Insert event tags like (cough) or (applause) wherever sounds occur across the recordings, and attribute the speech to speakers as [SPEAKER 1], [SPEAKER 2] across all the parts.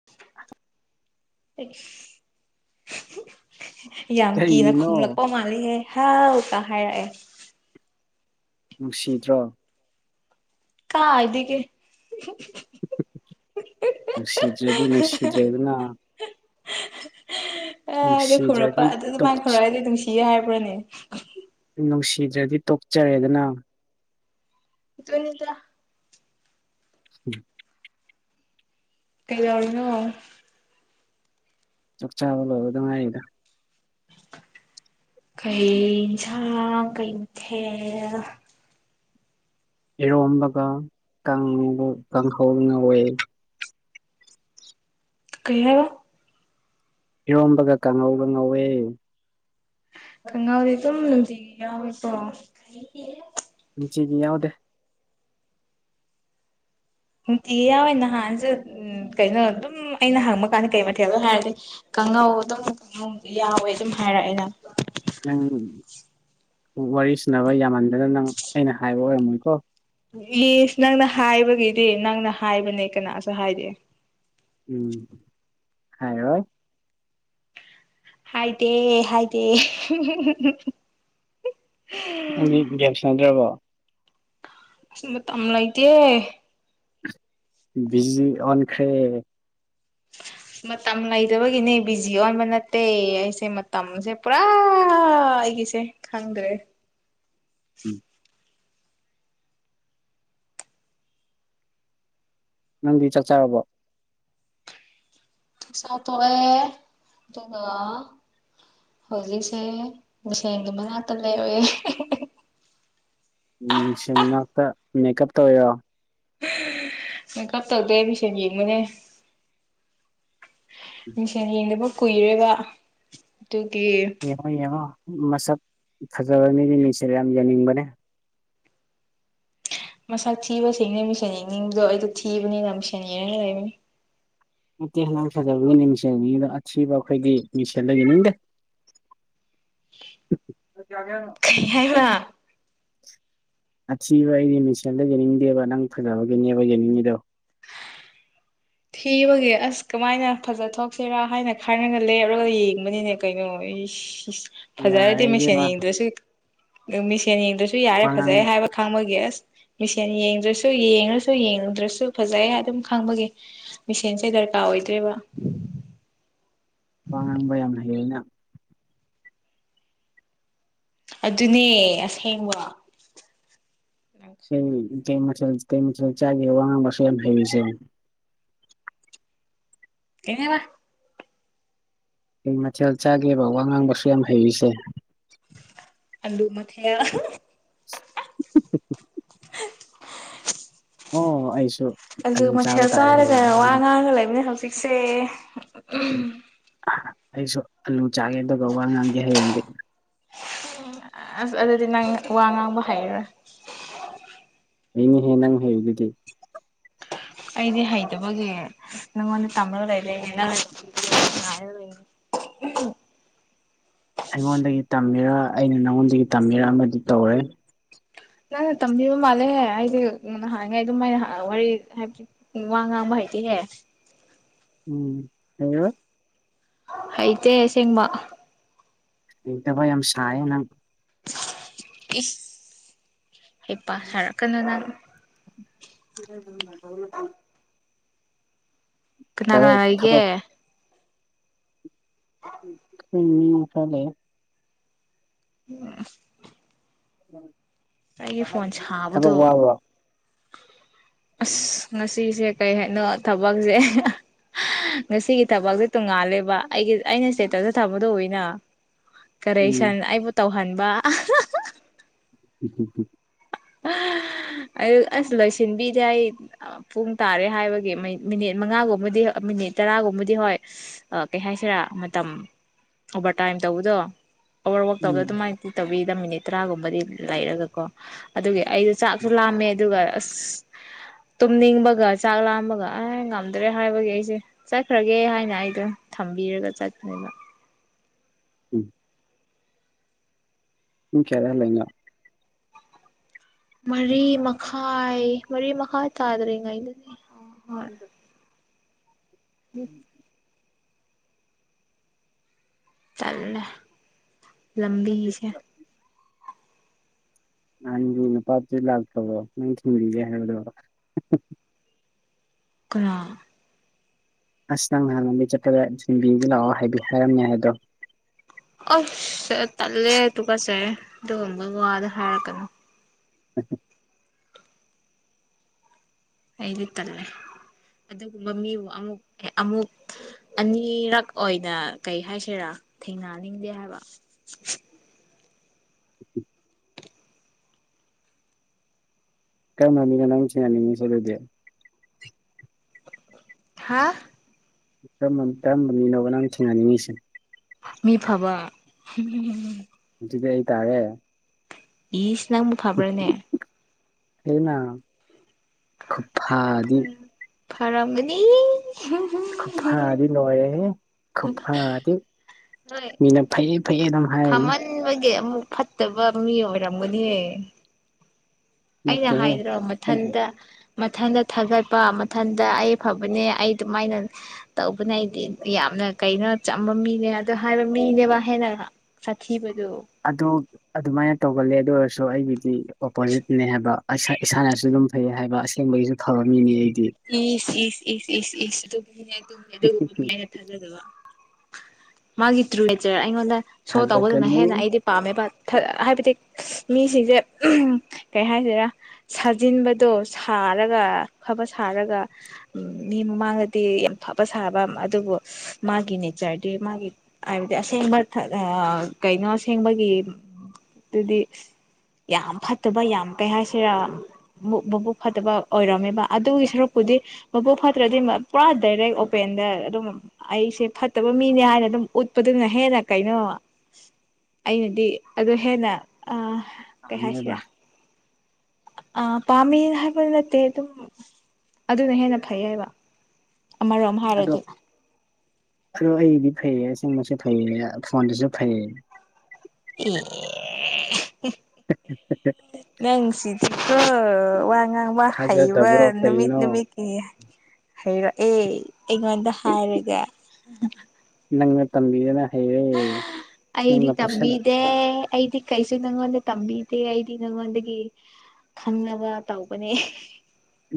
[SPEAKER 1] (unintelligible) (unintelligible) ꯌꯥꯝ ꯀꯤꯅ
[SPEAKER 2] ꯀꯔꯤꯅꯣ
[SPEAKER 1] ꯈꯨꯝꯂꯛꯄ ꯃꯥꯜꯂꯤꯍꯦ ꯍꯥꯎ ꯀ ꯍꯥꯏꯔꯛꯑꯦ
[SPEAKER 2] ꯅꯨꯡꯁꯤꯗ꯭ꯔꯣ
[SPEAKER 1] ꯀꯥꯢꯗꯒꯤ
[SPEAKER 2] ꯅꯨꯡꯁꯤꯗ꯭ꯔꯗꯤ ꯅꯨꯡꯁꯤꯗ꯭ꯔꯦꯗꯅ
[SPEAKER 1] ꯑꯦ ꯑꯗꯨ ꯈꯨꯔꯛꯄ
[SPEAKER 2] ꯅꯨꯡꯁꯤꯗ꯭ꯔꯗꯤ
[SPEAKER 1] ꯑꯗꯨ ꯑꯗꯨꯃꯥꯏꯅ
[SPEAKER 2] ꯇꯣꯛ-
[SPEAKER 1] ꯈꯨꯔꯛꯑꯗꯤ ꯅꯨꯡꯁꯤꯌꯦ ꯍꯥꯏꯕ꯭ꯔꯅꯦ
[SPEAKER 2] ꯅꯨꯡꯁꯤꯗ꯭ꯔꯥꯗꯤ ꯇꯣꯛꯆꯔꯦꯗꯅ
[SPEAKER 1] ꯑꯗꯨꯅꯤꯗ
[SPEAKER 2] ꯎꯝ (unintelligible)
[SPEAKER 1] ꯀꯩꯗꯧꯔꯤꯅꯣ
[SPEAKER 2] ꯆꯥꯛꯆꯥꯥꯕ ꯂꯣꯏꯕꯗ ꯉꯥꯏꯔꯤꯗ
[SPEAKER 1] ꯀꯩ ꯌꯦꯟꯁꯥꯡꯅꯣ ꯀꯩ ꯃꯥꯊꯦꯜ
[SPEAKER 2] ꯏꯔꯣꯝꯕꯒ ꯀꯥꯡ ꯀꯥꯡꯍꯧ ꯉꯧꯋꯦ
[SPEAKER 1] ꯀꯩ ꯍꯥꯏꯕ
[SPEAKER 2] ꯏꯔꯣꯝꯕꯒ ꯀꯥꯡꯉꯧꯒ ꯉꯧꯋꯦ
[SPEAKER 1] ꯈꯪꯍꯤꯎꯗꯤ ꯑꯗꯨꯝ ꯅꯨꯡꯇꯤꯒꯤ ꯌꯥꯎꯋꯤꯀꯣ
[SPEAKER 2] ꯉꯁꯤꯗꯤ ꯌꯥꯎꯗꯦ
[SPEAKER 1] ꯅꯨꯡꯇꯤꯒꯤ ꯌꯥꯎꯋꯦ ꯅꯍꯥꯟꯁꯨ ꯀꯩꯅꯣ ꯑꯗꯨꯝ ꯑꯩꯅ ꯍꯪꯕ ꯀꯥꯟꯗ ꯀꯩ ꯃꯊꯦꯜꯅꯣ ꯍꯥꯏꯔꯗꯤ ꯀꯥꯡꯉꯧ ꯑꯗꯨꯝ ꯌꯥꯎꯋꯦ ꯑꯗꯨꯝ ꯍꯥꯏꯔꯛꯑꯦꯅ
[SPEAKER 2] ꯅꯪ ꯋꯥꯔꯤ ꯁꯥꯟꯅꯕ ꯌꯥꯝꯃꯟꯗꯅ ꯅꯪ ꯑꯩꯅ ꯍꯥꯏꯕ ꯑꯣꯏꯔꯝꯃꯣꯏꯀꯣ
[SPEAKER 1] ꯢꯁ ꯅꯪꯅ ꯍꯥꯏꯕꯒꯤꯗꯤ ꯅꯪꯅ ꯍꯥꯏꯕꯅꯦ ꯀꯅꯥꯁꯨ ꯍꯥꯏꯗꯦ
[SPEAKER 2] ꯎꯝ ꯍꯥꯏꯔꯣꯏ
[SPEAKER 1] ꯍꯥꯏꯗꯦ ꯍꯥꯏꯗꯦ
[SPEAKER 2] ꯅꯪꯗꯤ ꯒꯦꯝ ꯁꯥꯟꯅꯗ꯭ꯔꯕꯣ
[SPEAKER 1] ꯑꯁ ꯃꯇꯥꯝ ꯂꯩꯇꯦꯌꯦ
[SPEAKER 2] ꯕꯤꯖꯤ ꯑꯣꯟꯈ꯭ꯔꯦ
[SPEAKER 1] ꯑ (unintelligible) ꯃꯇꯝ ꯂꯩꯇꯕꯒꯤꯅꯦ ꯕꯤꯖꯤ ꯑꯣꯟꯕ ꯅꯠꯇꯦ ꯑꯩꯁꯦ ꯃꯇꯝꯁꯦ ꯄꯨꯔꯥ ꯑꯩꯒꯤꯁꯦ ꯈꯪꯗ꯭ꯔꯦ
[SPEAKER 2] ꯎꯝ ꯅꯪꯗꯤ ꯆꯥꯛ ꯆꯔꯕꯣ
[SPEAKER 1] ꯆꯥꯛ ꯆꯥ ꯇꯣꯛꯑꯦ ꯑꯗꯨꯒ ꯍꯧꯖꯤꯛꯁꯦ ꯃꯤꯁꯦꯜꯒꯤ ꯃꯅꯥꯛꯇ ꯂꯩꯔꯦ
[SPEAKER 2] ꯃꯤꯁꯦꯜ ꯃꯅꯥꯛꯇ ꯃꯦꯀꯥꯞ ꯇꯧꯔꯤꯂꯣ
[SPEAKER 1] ꯃꯦꯀꯥꯟ ꯇꯧꯗꯦ ꯃꯤꯁꯦꯜ ꯌꯦꯡꯕꯅꯦ ꯃꯤꯡꯁꯦꯜ ꯌꯦꯡꯗꯕ ꯀꯨꯏꯔꯦꯕ ꯑꯗꯨꯒꯤ
[SPEAKER 2] ꯌꯦꯡꯉꯣ ꯌꯦꯡꯉꯣ ꯃꯁꯛ ꯐꯖꯕ ꯃꯤꯗꯤ ꯃꯤꯁꯦꯜ ꯌꯥꯝ ꯌꯦꯡꯅꯤꯡꯕꯅꯦ
[SPEAKER 1] ꯃꯁꯛ ꯊꯤꯕꯁꯤꯡꯁꯨ ꯃꯤꯁꯦꯜ ꯌꯦꯡꯅꯤꯡꯕꯗꯣ ꯑꯩꯁꯨ ꯊꯤꯕꯅꯤꯅ ꯃꯤꯁꯦꯜ ꯌꯦꯡꯉꯥ ꯂꯩꯅꯦ
[SPEAKER 2] ꯅꯠꯇꯦ ꯅꯪ ꯐꯖꯕꯒꯤꯅꯤ ꯃꯤꯡꯁꯦꯜ ꯖꯦꯡꯉꯤꯗꯣ ꯑꯊꯤꯕ ꯑꯩꯈꯣꯏꯗꯤ ꯃꯤꯡꯁꯦꯜꯒ ꯌꯦꯡꯅꯤꯡꯗꯦ ꯀꯩ ꯆꯥꯒꯦ ꯍꯥꯢꯅꯣ
[SPEAKER 1] ꯀꯩ ꯍꯥꯏꯕ
[SPEAKER 2] ꯑꯊꯤꯕ ꯑꯩꯗꯤ ꯃꯤꯁꯦꯜꯗ ꯌꯦꯡꯅꯤꯡꯗꯦꯕ ꯅꯪ ꯐꯖꯕꯒꯤꯅꯦꯕ ꯌꯦꯡꯅꯤꯡꯉꯤꯗꯣ
[SPEAKER 1] ꯊꯤꯕꯒꯤ ꯑꯁ ꯀꯃꯥꯏꯅ ꯐꯖ ꯊꯣꯛꯁꯤꯔꯥ ꯍꯥꯏꯅ ꯈꯔꯒ ꯂꯦꯞꯔꯒ ꯌꯦꯡꯕꯅꯤꯅꯦ ꯀꯩꯅꯣ ꯑꯩꯁ ꯐꯖꯔꯗꯤ
[SPEAKER 2] ꯌꯥꯔꯦ
[SPEAKER 1] ꯃꯦꯁꯦꯜ
[SPEAKER 2] ꯏꯕꯦꯝꯃ
[SPEAKER 1] ꯌꯦꯡꯗ꯭ꯔꯁꯨ ꯃꯦꯁꯦꯜ ꯌꯦꯡꯗ꯭ꯔꯁꯨ ꯌꯥꯔꯦ ꯐꯖꯩ
[SPEAKER 2] ꯋꯥꯉꯥꯡ
[SPEAKER 1] ꯍꯥꯏꯕ ꯈꯪꯕꯒꯤ ꯑꯁ ꯃꯦꯁꯦꯛ ꯌꯦꯡꯗ꯭ꯔꯁꯨ ꯌꯦꯡꯂꯁꯨ ꯌꯦꯡꯗ꯭ꯔꯁꯨ ꯐꯖꯩ ꯑꯗꯨꯝ ꯈꯪꯕꯒꯤ ꯃꯦꯁꯦꯟꯁꯦ ꯗꯔꯀꯥꯔ ꯑꯣꯏꯗ꯭ꯔꯦꯕ
[SPEAKER 2] ꯋꯥ ꯉꯥꯡꯕ ꯌꯥꯝꯅ ꯍꯩꯑꯦꯅ
[SPEAKER 1] ꯑꯗꯨꯅꯦ ꯑꯁꯦꯡꯕꯔꯣ
[SPEAKER 2] ꯀꯩ ꯃꯊꯦꯜ ꯀꯩ ꯃꯊꯦꯜ ꯆꯥꯒꯦ ꯋꯥ ꯉꯥꯡꯕ ꯑꯁꯨꯛꯌꯥꯝ ꯍꯥꯏꯔꯤꯁꯤꯕꯣ
[SPEAKER 1] ꯀꯩ ꯍꯥꯢꯕ
[SPEAKER 2] ꯀꯩ ꯃꯊꯦꯜ ꯆꯥꯒꯦꯕ ꯋꯥ ꯉꯥꯡꯕ ꯑꯁꯨꯛ ꯌꯥꯝ ꯍꯩꯔꯤꯁꯦ
[SPEAKER 1] ꯑꯥꯂꯨ ꯃꯊꯦꯜ
[SPEAKER 2] (unintelligible) ꯑꯣ ꯑꯩꯁꯨ
[SPEAKER 1] ꯑꯥꯂꯨ
[SPEAKER 2] ꯑꯂꯨ ꯆꯥꯕ
[SPEAKER 1] ꯃꯊꯦꯜ
[SPEAKER 2] ꯇꯥꯔꯦ
[SPEAKER 1] ꯆꯥꯔꯒ
[SPEAKER 2] ꯍꯌꯦꯡ
[SPEAKER 1] ꯋꯥ
[SPEAKER 2] ꯉꯥꯡ
[SPEAKER 1] ꯉꯥꯡꯉꯒ ꯂꯩꯕꯅꯦ ꯍꯧꯖꯤꯛꯁꯦ
[SPEAKER 2] ꯎꯝ ꯑꯩꯁꯨ ꯑꯂꯨ ꯆꯥꯒꯦ ꯑꯗꯨꯒ ꯋꯥ ꯉꯥꯡꯒꯦ ꯍꯌꯦꯡꯗꯤ
[SPEAKER 1] ꯑꯁ ꯑꯗꯨꯗꯤ ꯅꯪ ꯋꯥ ꯉꯥꯡꯕ ꯍꯥꯏꯔꯔꯣꯏ
[SPEAKER 2] ꯍꯩꯅꯤ ꯍꯦ ꯅꯪ ꯍꯩꯔꯤꯗꯨꯗꯤ
[SPEAKER 1] ꯑꯩꯗꯤ ꯍꯩꯇꯕꯒꯤ ꯅꯪꯉꯣꯟꯗ ꯇꯝꯂ ꯂꯩꯔꯦꯅꯤꯅꯪ
[SPEAKER 2] ꯑꯩꯉꯣꯟꯗꯒꯤ ꯇꯝꯃꯤꯔ ꯑꯩꯅ ꯅꯪꯉꯣꯟꯗꯒꯤ ꯇꯝꯃꯤꯔ ꯑꯃꯗꯤ ꯇꯧꯔꯦ
[SPEAKER 1] ꯅꯪꯅ ꯇꯝꯕꯤꯕ ꯃꯥꯜꯂꯦꯍꯦ ꯑꯩꯗꯤꯅ ꯅꯍꯥꯡꯉꯥꯏ ꯑꯗꯨꯃꯥꯏꯅ ꯋꯥꯔꯤ ꯍꯥꯏꯕꯗꯤ ꯑꯩ ꯋꯥ ꯉꯥꯡꯕ ꯍꯩꯇꯍꯦ
[SPEAKER 2] ꯎꯝ ꯍꯩꯔ‌ꯣꯏ
[SPEAKER 1] ꯍꯩꯇ‌ꯦ ꯑꯁꯦꯡꯕ
[SPEAKER 2] ꯍꯩꯇꯕꯥ ꯌꯥꯝ ꯁꯥꯏꯌꯦ ꯅꯪ
[SPEAKER 1] ꯏꯁ ꯍꯩꯄꯥ ꯁꯥꯔꯛꯀꯅꯣ ꯅꯪ
[SPEAKER 2] (unintelligible)
[SPEAKER 1] ꯀꯅꯥ
[SPEAKER 2] ꯇꯧ
[SPEAKER 1] ꯀꯅꯥ ꯂꯩꯒꯦ
[SPEAKER 2] ꯊꯕꯛ ꯑꯩ ꯅꯤꯌ‌ꫭꯛꯇ ꯂꯩꯌ‌ꯦ
[SPEAKER 1] ꯎꯝ ꯑꯩꯒꯤ ꯐꯣꯟ
[SPEAKER 2] ꯊꯕꯛ
[SPEAKER 1] ꯁꯥꯕꯗꯣ
[SPEAKER 2] ꯋꯥꯕꯔꯣ
[SPEAKER 1] ꯑꯁ ꯉꯁꯤꯁꯦ ꯀꯩ ꯍꯥꯏꯅꯣ ꯊꯕꯛꯁꯦ ꯉꯁꯤꯒꯤ ꯊꯕꯛꯁꯦ ꯇꯣꯡꯉꯥꯜꯂꯦꯕ ꯑꯩꯒꯤ ꯑꯩꯅ ꯏꯁꯇꯦꯠꯇꯗ ꯊꯝꯕꯗꯣ ꯎꯏꯅꯥ
[SPEAKER 2] ꯎꯝ
[SPEAKER 1] ꯀꯔꯦꯛꯁꯟ ꯑꯩꯕꯨ ꯇꯧꯍꯟꯕ
[SPEAKER 2] (unintelligible)
[SPEAKER 1] ꯑꯗꯨ ꯑꯁ ꯂꯣꯏꯁꯤꯟꯕꯤꯗꯦ ꯑꯩ ꯄꯨꯡ ꯇꯥꯔꯦ ꯍꯥꯏꯕꯒꯤ ꯃꯤꯅꯤꯠ ꯃꯉꯥꯒꯨꯝꯕꯗꯤ ꯃꯤꯅꯤꯠ ꯇꯔꯥꯒꯨꯝꯕꯗꯤ ꯍꯣꯏ ꯑꯥ ꯀꯩ ꯍꯥꯏꯁꯤꯔꯥ ꯃꯇꯝ ꯑꯣꯚꯔꯇꯥꯏꯝ ꯇꯧꯕꯗꯣ ꯑꯣꯕꯔꯋꯔꯥꯛ ꯇꯧꯗ
[SPEAKER 2] ꯎꯝ
[SPEAKER 1] ꯑꯗꯨꯃꯥꯏꯅꯗꯤ ꯇꯧꯕꯤꯗ ꯃꯤꯅꯤꯠ ꯇꯔꯥꯒꯨꯝꯕꯗꯤ ꯂꯩꯔꯒꯀꯣ ꯑꯗꯨꯒꯤ ꯑꯩꯗꯣ ꯆꯥꯛꯁꯨ ꯂꯥꯝꯃꯦ ꯑꯗꯨꯒ ꯑꯁ ꯇꯨꯝꯅꯤꯡꯕꯒ ꯆꯥꯛ ꯂꯥꯝꯕꯒ ꯑꯦ ꯉꯝꯗ꯭ꯔꯦ ꯍꯥꯏꯕꯒꯤ ꯑꯩꯁꯦ ꯆꯠꯈ꯭ꯔꯒꯦ ꯍꯥꯏꯅ ꯑꯩꯗꯣ ꯊꯝꯕꯤꯔꯒ ꯆꯠꯄꯅꯦꯕ
[SPEAKER 2] ꯎꯝ ꯄꯨꯡ ꯀꯌꯥꯗ ꯍꯜꯂꯛꯏꯅ‌ꯣ
[SPEAKER 1] ꯃꯔꯤ ꯃꯈꯥꯏ ꯃꯔꯤ ꯃꯈꯥꯏ ꯇꯥꯗ꯭ꯔꯤꯉꯩꯗꯨꯅꯤ ꯎꯝ ꯇꯜꯂꯦ ꯂꯝꯕꯤꯁꯦ
[SPEAKER 2] ꯅꯥꯍꯟꯒꯤ ꯅꯨꯄꯥ ꯗꯨꯗꯤ ꯂꯥꯛꯇꯕꯔꯣ ꯅꯪ ꯊꯤꯟꯕꯤꯒꯦ ꯍꯥꯏꯗꯣ
[SPEAKER 1] ꯀꯥꯅꯥ
[SPEAKER 2] ꯑꯁ ꯅꯪ ꯅꯍꯥꯟ ꯂꯝꯕꯤ ꯆꯠꯄꯗ ꯊꯤꯟꯕꯤꯒꯦ ꯂꯥꯛꯑꯣ ꯍꯥꯏꯕꯤ ꯍꯥꯏꯔꯝꯃꯦ ꯍꯥꯏꯗꯣ
[SPEAKER 1] ꯑꯁ ꯇꯠꯂꯦ ꯇꯨꯀꯠꯆꯠꯌ‌ꯦ ꯑꯗꯨꯒꯨꯝꯕ ꯋꯥꯗꯨ ꯍꯥꯏꯔꯛꯀꯅꯨ
[SPEAKER 2] (unintelligible)
[SPEAKER 1] ꯑꯩꯗꯤ ꯇꯜꯂꯦ ꯑꯗꯨꯒꯨꯝꯕ ꯃꯤꯕꯨ ꯑꯃꯨꯛ ꯑꯃꯨꯛ ꯑꯅꯤꯔꯛ ꯑꯣꯏꯅ ꯀꯩ ꯍꯥꯏꯁꯤꯔꯥ ꯊꯦꯡꯅꯅꯤꯡꯗꯦ ꯍꯥꯏꯕ
[SPEAKER 2] ꯀꯔꯝꯕꯥ ꯃꯤꯅ‌ꯣ ꯅꯪ ꯊꯦꯡꯅꯅꯤꯡꯉꯤꯁꯦ ꯑꯥꯗꯨꯗꯤ
[SPEAKER 1] ꯍꯥꯥ
[SPEAKER 2] ꯀꯔꯝꯕ ꯃꯤꯅꯣꯕ ꯅꯪ ꯊꯦꯡꯅꯅꯤꯡꯉꯤꯁꯦ
[SPEAKER 1] ꯃꯤ ꯐꯕ
[SPEAKER 2] ꯑꯗꯨꯗꯤ ꯑꯩ ꯇꯥꯔꯦ
[SPEAKER 1] ꯏꯁ ꯅꯪꯕꯨ ꯐꯥꯕ꯭ꯔꯥꯅꯦ
[SPEAKER 2] ꯑꯩꯅ ꯈꯨꯊꯗꯤ
[SPEAKER 1] ꯎꯝ ꯐꯔꯝꯒꯅꯤ
[SPEAKER 2] ꯈꯨꯐꯗꯤ ꯂꯣꯏꯔꯦꯍꯦ ꯈꯨꯐꯗꯤ ꯃꯤꯅ ꯐꯩꯌꯦ ꯐꯩꯌꯦ ꯑꯗꯨꯝ ꯍꯥꯏꯔꯅꯤ
[SPEAKER 1] ꯅꯣꯏꯗꯤ ꯑꯃꯨꯛ ꯐꯠꯇꯕ ꯃꯤ ꯑꯣꯏꯔꯝꯒꯅꯤ ꯑꯩꯅ
[SPEAKER 2] ꯅꯠꯇꯦꯍꯦ
[SPEAKER 1] ꯍꯥꯏꯗꯔꯣ
[SPEAKER 2] ꯑꯩꯒꯤ
[SPEAKER 1] ꯃꯊꯟꯇ ꯃꯊꯟꯇ ꯊꯥꯒꯠꯄ ꯃꯊꯟꯇ ꯑꯩ ꯐꯕꯅꯦ ꯑꯩ ꯑꯗꯨꯃꯥꯏꯅ ꯇꯧꯕꯅꯦ ꯑꯩꯗꯤ ꯌꯥꯝꯅ ꯀꯩꯅꯣ ꯆꯝꯕ ꯃꯤꯅꯦ ꯑꯗ ꯍꯥꯏꯕ ꯃꯤꯅꯦꯕ ꯍꯦꯟꯅ ꯁꯥꯊꯤꯕꯗꯣ
[SPEAKER 2] ꯑꯗꯣ ꯑꯗꯨꯃꯥꯏꯅ ꯇꯧꯒꯜꯂꯦ ꯑꯗꯨ ꯑꯣꯏꯔꯁꯨ ꯑꯩꯒꯤꯗꯤ ꯑꯣꯄꯣꯖꯤꯠꯅꯦ ꯍꯥꯏꯕ ꯏꯁꯥꯅꯁꯨ ꯑꯗꯨꯝ ꯐꯩ ꯍꯥꯏꯕ ꯑꯁꯦꯡꯕꯒꯤꯁꯨ ꯐꯕ ꯃꯤꯅꯤ ꯑꯩꯗꯤ
[SPEAKER 1] ꯏꯁ ꯏꯁ ꯏꯁ ꯏꯁ ꯏꯁ ꯑꯗꯨꯒꯤꯅꯦ ꯑꯗꯨ ꯑꯗꯨꯒꯨꯝꯕꯒꯤꯅꯦ ꯑꯩꯅ ꯊꯥꯖꯗꯕ ꯃꯥꯒꯤ ꯇ꯭ꯔꯨꯅꯦꯆꯔ ꯑꯩꯉꯣꯟꯗ ꯁꯣ ꯇꯧꯕꯗꯅ
[SPEAKER 2] ꯊꯥꯖꯒꯅꯨ
[SPEAKER 1] ꯍꯦꯟꯅ ꯑꯩꯗꯤ ꯄꯥꯝꯃꯦꯕ ꯍꯥꯏꯕꯗꯤ ꯃꯤꯁꯤꯡꯁꯦ ꯀꯩ ꯍꯥꯏꯁꯤꯔꯥ ꯁꯥꯖꯤꯟꯕꯗꯣ ꯁꯥꯔꯒ ꯐꯕ ꯁꯥꯔꯒ ꯎꯝ ꯃꯤ ꯃꯃꯥꯡꯒꯗꯤ ꯌꯥꯝ ꯐꯕ ꯁꯥꯕ ꯑꯗꯨꯕꯨ ꯃꯥꯒꯤ ꯅꯦꯆꯔꯗꯤ ꯃꯥꯒꯤ ꯍꯥꯏꯕꯗꯤ ꯑꯁꯦꯡꯕ ꯀꯩꯅꯣ ꯑꯁꯦꯡꯕꯒꯤ ꯗꯗꯤ ꯌꯥꯝ ꯐꯠꯇꯕ ꯌꯥꯝ ꯀꯩ ꯍꯥꯏꯁꯤꯔ ꯃ ꯃꯕꯨꯛ ꯐꯠꯇꯕ ꯑꯣꯏꯔꯝꯃꯦꯕ ꯑꯗꯨꯒꯤ ꯁꯔꯨꯛꯄꯨꯗꯤ ꯃꯕꯨꯛ ꯐꯠꯇ꯭ꯔꯗꯤ ꯄꯨꯔꯥ ꯗꯥꯏꯔꯦꯛ ꯑꯣꯄꯦꯟꯗ ꯑꯗꯨꯝ ꯑꯩꯁꯦ ꯐꯠꯇꯕ ꯃꯤꯅꯦ ꯍꯥꯏꯅ ꯑꯗꯨꯝ ꯎꯠꯄꯗꯨꯅ ꯍꯦꯟꯅ ꯀꯩꯅꯣ ꯑꯩꯅꯗꯤ ꯑꯗꯨ ꯍꯦꯟꯅ ꯑꯥ ꯀꯩ ꯍꯥꯏꯁꯤꯔ
[SPEAKER 2] ꯄꯥꯝꯃꯦꯕ
[SPEAKER 1] ꯑ ꯄꯥꯝꯃꯤ ꯍꯥꯏꯕ ꯅꯠꯇꯦ ꯑꯗꯨꯝ ꯑꯗꯨꯅ ꯍꯦꯟꯅ ꯐꯩꯌꯦꯕ ꯑꯃꯔꯣꯝ
[SPEAKER 2] ꯑꯗꯣ
[SPEAKER 1] ꯍꯥꯏꯔꯗꯤ
[SPEAKER 2] ꯑꯗꯣ ꯑꯩꯗꯤ ꯐꯩꯌꯦ ꯑꯁꯦꯡꯕꯁꯨ ꯐꯩꯌꯦ ꯐꯣꯟꯗꯨꯁꯨ ꯐꯩꯌꯦ
[SPEAKER 1] ꯑꯦ ꯅꯪ ꯁꯤꯗꯤꯀꯣ ꯋꯥ ꯉꯥꯡꯕ ꯍꯩꯕ
[SPEAKER 2] ꯊꯥꯖꯗꯕ꯭ꯔꯣ
[SPEAKER 1] ꯅꯨꯃꯤꯠ
[SPEAKER 2] ꯀꯩꯅꯣ
[SPEAKER 1] ꯅꯨꯃꯤꯠ ꯑꯦ ꯍꯩꯔꯛꯑꯦ ꯑꯩꯉꯣꯟꯗ ꯍꯥꯏꯔꯒ
[SPEAKER 2] ꯅꯪꯅ ꯇꯝꯕꯤꯔꯒ
[SPEAKER 1] ꯑꯩꯗꯤ ꯇꯝꯕꯤ ꯗꯦ ꯑꯩꯗꯤ ꯀꯩꯁꯨ ꯅꯪꯉꯣꯟꯗ ꯇꯝꯕꯤꯗꯦ ꯑꯩꯗꯤ ꯅꯪꯉꯣꯟꯗꯒꯤ ꯈꯪꯅꯕ ꯇꯧꯕꯅꯦ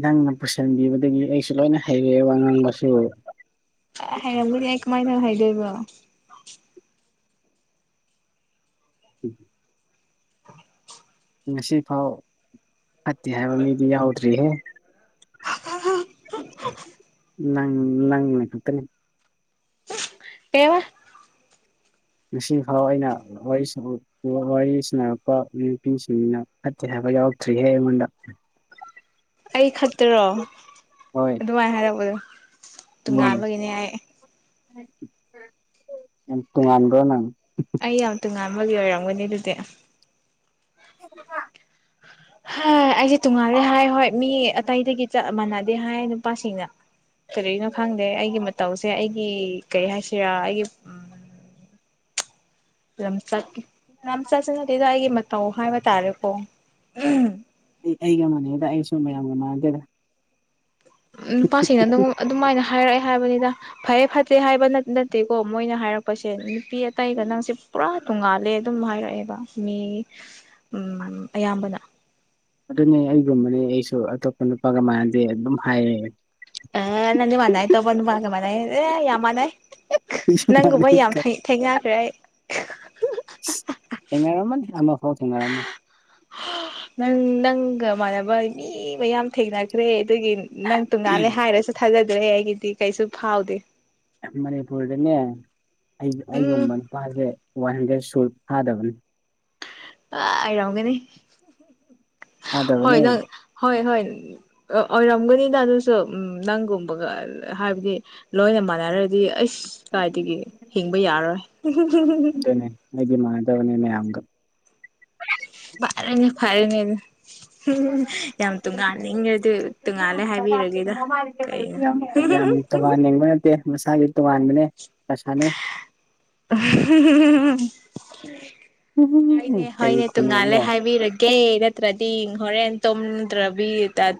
[SPEAKER 2] ꯅꯪꯅ ꯄꯨꯁꯤꯟꯕꯤꯕꯗꯒꯤ ꯑꯩꯁꯨ ꯂꯣꯏꯅ ꯍꯩꯔꯦ ꯋꯥ ꯉꯥꯡꯕꯁꯨ
[SPEAKER 1] ꯍꯩꯔꯝꯒꯅꯤ ꯑꯩ ꯀꯃꯥꯏꯅ ꯍꯩꯗꯣꯏꯕ
[SPEAKER 2] ꯎꯝ
[SPEAKER 1] (unintelligible)
[SPEAKER 2] ꯉꯁꯤꯐꯥꯎ ꯐꯠꯇꯦ ꯍꯥꯏꯕ ꯃꯤꯗꯤ ꯌꯥꯎꯗ꯭ꯔꯤꯍꯦ ꯅꯪ ꯅꯪꯅ ꯈꯛꯇꯅꯦ
[SPEAKER 1] ꯀꯩꯕ
[SPEAKER 2] ꯉꯁꯤ ꯐꯥꯎ ꯑꯩꯅ ꯋꯥꯔꯤꯁꯤꯡ ꯋꯥꯔꯤ ꯁꯥꯟꯅꯔꯛꯄ ꯅꯨꯄꯤꯁꯤꯡꯅ ꯐꯠꯇꯦ ꯍꯥꯏꯕ ꯌꯥꯎꯔꯛꯇ꯭ꯔꯤꯍꯦ ꯑꯩꯉꯣꯟꯗ
[SPEAKER 1] (unintelligible) ꯑꯩ ꯈꯛꯇꯔꯣ
[SPEAKER 2] ꯍꯣꯏ
[SPEAKER 1] ꯑꯗꯨꯃꯥꯏꯅ ꯍꯥꯏꯔꯛꯄꯗꯣ
[SPEAKER 2] ꯎꯝ
[SPEAKER 1] ꯇꯣꯉꯥꯟꯕꯒꯤꯅꯦ ꯍꯥꯏ
[SPEAKER 2] ꯇꯣꯉꯥꯟꯕ꯭ꯔꯣ ꯅꯪ
[SPEAKER 1] ꯑꯩ ꯌꯥꯝ ꯇꯣꯉꯥꯟꯕꯒꯤ ꯑꯣꯏꯔꯝꯒꯅꯤ ꯑꯗꯨꯗꯤ
[SPEAKER 2] (unintelligible)
[SPEAKER 1] ꯍ ꯑꯩꯁꯦ ꯇꯣꯡꯉꯥꯜꯂꯦ ꯍꯥꯏ ꯍꯣꯏ ꯃꯤ ꯑꯇꯩꯗꯒꯤ ꯆꯞ ꯃꯥꯟꯅꯗꯦ ꯍꯥꯏ ꯅꯨꯄꯥꯁꯤꯡꯅ ꯀꯔꯤꯅꯣ ꯈꯪꯗꯦ ꯑꯩꯒꯤ ꯃꯇꯧꯁꯦ ꯑꯩꯒꯤ ꯀꯩ ꯍꯥꯏꯁꯤꯔꯥ ꯑꯩꯒꯤ ꯎ ꯂꯝꯆꯠ ꯂꯝꯆꯠꯁꯨ ꯅꯠꯇꯦꯗ ꯑꯩꯒꯤ ꯃꯇꯧ ꯍꯥꯏꯕ ꯇꯥꯔꯦꯀꯣ ꯎ
[SPEAKER 2] ꯑꯩ ꯑꯩꯒ ꯃꯥꯟꯅꯩꯗ ꯑꯩꯁꯨ ꯃꯌꯥꯝꯒ ꯃꯥꯟꯅꯗꯦꯗ
[SPEAKER 1] ꯅꯨꯄꯥꯁꯤꯡꯅ ꯑꯗꯨꯝ ꯑꯗꯨꯃꯥꯏꯅ ꯍꯥꯏꯔꯛꯑꯦ ꯍꯥꯏꯕꯅꯤꯗ ꯐꯩꯌꯦ ꯐꯠꯇꯦ ꯍꯥꯏꯕ ꯅꯠꯇꯦꯀꯣ ꯃꯣꯏꯅ ꯍꯥꯏꯔꯛꯄꯁꯦ ꯅꯨꯄꯤ ꯑꯇꯩꯒ ꯅꯪꯁꯦ ꯄꯨꯔꯥ ꯇꯣꯡꯉꯥꯜꯂꯦ ꯑꯗꯨꯝ ꯍꯥꯏꯔꯛꯑꯦꯕ ꯃꯤ ꯑꯌꯥꯝꯕꯅ
[SPEAKER 2] ꯑꯗꯨꯅꯦ ꯑꯩꯒꯨꯝꯕꯅꯦ ꯑꯩꯁꯨ ꯑꯇꯣꯞꯄ ꯅꯨꯄꯥꯒ ꯃꯅꯗꯦ ꯑꯗꯨꯝ ꯍꯥꯏꯌꯦ
[SPEAKER 1] ꯑꯦ ꯅꯪꯗꯤ ꯃꯥꯟꯅꯩꯌꯦ ꯑꯇꯣꯞꯄ ꯅꯨꯄꯥꯒ ꯃꯥꯟꯅꯩꯌꯦ ꯑꯦ ꯌꯥꯝ ꯃꯅꯩ ꯅꯪꯒꯨꯝꯕ ꯌꯥꯝ ꯐꯩ ꯊꯦꯡꯅꯈ꯭ꯔꯦ ꯑꯩ
[SPEAKER 2] ꯊꯦꯡꯅꯔꯝꯃꯅꯤ ꯑꯃ ꯐꯥꯎ ꯊꯦꯡꯅꯔꯝꯃꯣꯏ
[SPEAKER 1] ꯅꯪ ꯅꯪꯒ ꯃꯥꯟꯅꯕ ꯃꯤ ꯃꯌꯥꯝ ꯊꯦꯡꯅꯈ꯭ꯔꯦ ꯑꯗꯨꯒꯤ ꯅꯪ ꯇꯣꯡꯉꯥꯜꯂꯦ ꯍꯥꯏꯔꯁꯨ ꯊꯥꯖꯗ꯭ꯔꯦ ꯑꯩꯒꯤꯗꯤ ꯀꯩꯁꯨ ꯐꯥꯎꯗꯦ
[SPEAKER 2] ꯃꯅꯤꯄꯨꯔꯗꯅꯦ ꯑꯩ
[SPEAKER 1] ꯎꯝ
[SPEAKER 2] ꯑꯩꯒꯨꯝꯕ ꯅꯨꯄꯥꯁꯦ ꯋꯥꯟ ꯍꯟꯗ꯭ꯔꯦꯠ ꯁꯨ ꯐꯥꯗꯕꯅꯤ
[SPEAKER 1] ꯑꯥ ꯌꯧꯒꯅꯤ ꯍꯣꯏ
[SPEAKER 2] ꯐꯥꯗꯕꯅꯦ
[SPEAKER 1] ꯅꯪ ꯍꯣꯏ ꯍꯣꯏ ꯑꯣꯏꯔꯝꯒꯅꯤꯗ ꯑꯗꯨꯁꯨ ꯎꯝ ꯅꯪꯒꯨꯝꯕꯒ ꯍꯥꯏꯕꯗꯤ ꯂꯣꯏꯅ ꯃꯥꯟꯅꯔꯗꯤ ꯑꯩꯁ ꯀꯥꯏꯗꯒꯤ ꯍꯤꯡꯕ ꯌꯥꯔꯔꯣꯏ
[SPEAKER 2] ꯑꯗꯨꯅꯦ ꯑꯩꯗꯤ ꯃꯥꯗꯕꯅꯦ ꯃꯌꯥꯝꯒ
[SPEAKER 1] ꯐꯔꯦꯅꯦ ꯐꯔꯦꯅꯦ ꯎꯝ ꯌꯥꯝ ꯇꯣꯡꯉꯥꯟꯅꯤꯡꯒꯔꯗꯨ ꯇꯣꯉꯥꯜꯂꯦ ꯍꯥꯏꯕꯤꯔꯒꯦꯗ ꯀꯩꯅꯣ
[SPEAKER 2] ꯌꯥꯝ ꯇꯣꯉꯥꯟꯅꯤꯡꯕ ꯅꯠꯇꯦ ꯃꯁꯥꯒꯤ ꯇꯣꯉꯥꯟꯕꯅꯦ ꯍꯩꯄꯥ ꯁꯥꯅꯨ
[SPEAKER 1] (unintelligible) ꯍꯣꯏꯅꯦ
[SPEAKER 2] ꯀꯩ
[SPEAKER 1] ꯍꯣꯏꯅꯦ ꯇꯣꯡꯉꯥꯜꯂꯦ
[SPEAKER 2] ꯈꯨꯅꯣꯡꯅꯣ
[SPEAKER 1] ꯍꯥꯏꯕꯤꯔ ꯀꯦ ꯅꯠꯇ꯭ꯔꯗꯤ ꯍꯣꯔꯦꯟ ꯇꯨꯝꯗ꯭ꯔꯕꯤ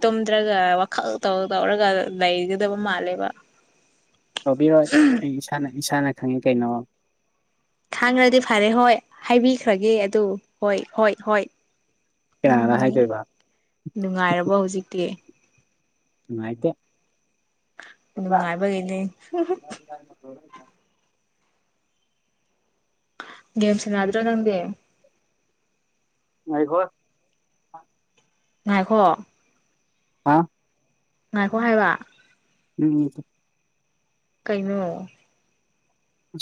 [SPEAKER 1] ꯇꯨꯝꯗ꯭ꯔꯒ ꯋꯥꯈꯜ ꯇꯧ ꯇꯧꯔꯒ ꯂꯩꯒꯗꯕ ꯃꯥꯜꯂꯦꯕ
[SPEAKER 2] ꯇꯧꯕꯤꯔꯣꯏ ꯑꯩ ꯏꯁꯥꯅ ꯏꯁꯥꯅ ꯈꯪꯉꯤ ꯀꯩꯅꯣ
[SPEAKER 1] ꯈꯪꯔꯗꯤ ꯐꯔꯦ ꯍꯣꯏ ꯍꯥꯏꯕꯤꯈ꯭ꯔꯒꯦ ꯑꯗꯨ ꯍꯣꯏ ꯍꯣꯏ ꯍꯣꯏ
[SPEAKER 2] ꯀꯅꯥꯗ
[SPEAKER 1] ꯎꯝ
[SPEAKER 2] ꯍꯥꯏꯗꯣꯏꯕ
[SPEAKER 1] ꯅꯨꯡꯉꯥꯏꯔꯕꯣ ꯍꯧꯖꯤꯛꯇꯤ
[SPEAKER 2] ꯅꯨꯡꯉꯥꯏꯇꯦ
[SPEAKER 1] ꯅꯨꯡꯉꯥꯏꯕꯒꯤꯅꯦ
[SPEAKER 2] (unintelligible)
[SPEAKER 1] ꯒꯦꯝ ꯁꯅꯗ꯭ꯔꯣ ꯅꯪꯗꯤ
[SPEAKER 2] ꯉꯥꯏꯈꯣ
[SPEAKER 1] ꯉꯥꯏꯈꯣ
[SPEAKER 2] ꯍꯥ
[SPEAKER 1] ꯉꯥꯏꯈꯣ ꯍꯥꯏꯕ
[SPEAKER 2] ꯎꯝ
[SPEAKER 1] ꯀꯩꯅꯣ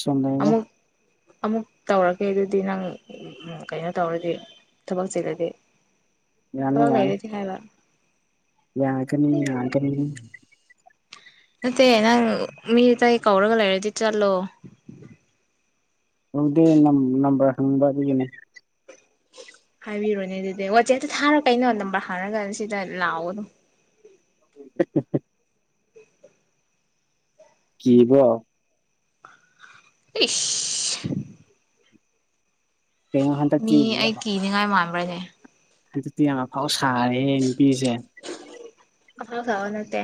[SPEAKER 2] ꯁꯣꯝꯗꯅꯤꯗ
[SPEAKER 1] ꯑꯃꯨꯛ ꯑꯃꯨꯛ ꯇꯧꯔꯛꯀꯦ ꯑꯗꯨꯗꯤ ꯅꯪ ꯀꯩꯅꯣ ꯇꯧꯔꯗꯤ ꯊꯕꯛ ꯆꯤꯜꯂꯗꯤ
[SPEAKER 2] ꯌꯥꯅꯤ
[SPEAKER 1] ꯊꯕꯛ
[SPEAKER 2] ꯌꯥꯅꯤ
[SPEAKER 1] ꯂꯩꯔꯗꯤ ꯍꯥꯏꯕ
[SPEAKER 2] ꯌꯥꯒꯅꯤ ꯌꯥꯒꯅꯤ
[SPEAKER 1] ꯅꯠꯇꯦ ꯅꯪ ꯃꯤ ꯑꯇꯩ ꯀꯧꯔꯒ ꯂꯩꯔꯗꯤ ꯆꯠꯂꯣ
[SPEAKER 2] ꯀꯧꯗꯦ ꯅꯝ ꯅꯝꯕꯔ ꯍꯪꯕ ꯑꯗꯨꯒꯤꯅꯦ
[SPEAKER 1] ꯍꯥꯏꯕꯤꯔꯣꯅꯦ ꯑꯗꯨꯗꯤ ꯋꯥꯆꯦꯞꯇ ꯊꯥꯔꯣ ꯀꯩꯅꯣ ꯅꯝꯕꯔ ꯍꯪꯉꯒ ꯁꯤꯗ ꯂꯥꯎꯒꯅꯨ
[SPEAKER 2] (unintelligible) ꯀꯤꯕꯔꯣ
[SPEAKER 1] ꯏꯁ
[SPEAKER 2] ꯀꯩꯅꯣ ꯍꯟꯗꯛꯇꯤ
[SPEAKER 1] ꯃꯤ ꯑꯩ ꯀꯤꯅꯤꯡꯉꯥꯏ ꯃꯥꯟꯕ꯭ꯔꯅꯦ꯫
[SPEAKER 2] ꯑꯗꯨꯗꯤ ꯑꯐꯥꯎ ꯁꯥꯔꯦꯅꯦ ꯅꯨꯄꯤꯁꯦ꯫
[SPEAKER 1] ꯑꯐꯥꯎ ꯁꯥꯕ ꯅꯠꯇꯦ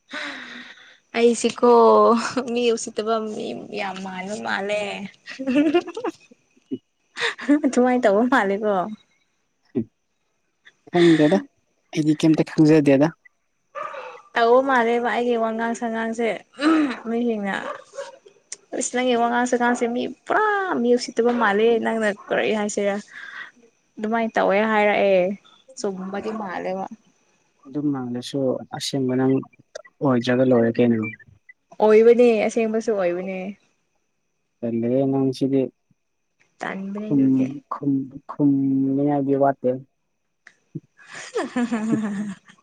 [SPEAKER 1] (unintelligible) ꯑꯩꯁꯤꯀꯣ ꯃꯤ ꯎꯁꯤꯠꯇꯕ ꯃꯤ ꯌꯥꯝ ꯃꯥꯟꯕ ꯃꯥꯜꯂꯦ꯫ ꯑꯗꯨꯃꯥꯏ ꯇꯧꯕ ꯃꯥꯜꯂꯦꯀꯣ
[SPEAKER 2] ꯈꯪꯗꯦꯗ ꯑꯩꯗꯤ ꯀꯩꯝꯇ ꯈꯪꯖꯗꯦꯗ꯫
[SPEAKER 1] ꯇꯧꯕ ꯃꯥꯜꯂꯦꯕ ꯑꯩꯒꯤ ꯋꯥꯉꯥꯡ ꯁꯉꯥꯡꯁꯦ ꯃꯤꯁꯤꯡꯅ ꯏꯁ ꯅꯪꯒꯤ ꯋꯥꯉꯥꯡ ꯁꯉꯥꯡꯁꯦ ꯃꯤ ꯄꯨꯔꯥꯝ ꯃꯤ ꯎꯁꯤꯠ ꯇꯧꯗꯨꯕ ꯃꯥꯜꯂꯦ ꯅꯪꯅ ꯀꯔꯤ ꯍꯥꯏꯁꯤꯔꯥ ꯑꯗꯨꯃꯥꯏꯅ ꯇꯧꯋꯦ ꯍꯥꯏꯔꯛꯑꯦ ꯆꯨꯝꯃꯗꯤ ꯃꯥꯜꯂꯦꯕ꯫
[SPEAKER 2] ꯑꯗꯨꯝ ꯃꯥꯜꯂꯁꯨ ꯑꯁꯦꯡꯕ ꯅꯪ ꯑꯣꯏꯗ꯭ꯔꯒ ꯂꯣꯏꯔꯦ ꯀꯩꯅꯣ꯫
[SPEAKER 1] ꯑꯣꯏꯕꯅꯦ ꯑꯁꯦꯡꯕꯁꯨ ꯑꯣꯏꯕꯅꯦ꯫
[SPEAKER 2] ꯇꯜꯂꯦ ꯅꯪꯁꯤꯗꯤ
[SPEAKER 1] ꯇꯟꯕꯅꯦ
[SPEAKER 2] ꯎꯝ
[SPEAKER 1] ꯑꯗꯨꯒꯤ
[SPEAKER 2] ꯈꯨꯨꯝꯅ ꯈꯨꯝꯅꯤꯡ ꯉꯥꯏꯒꯤ ꯋꯥꯇꯦ꯫
[SPEAKER 1] (unintelligible)